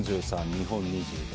日本２５。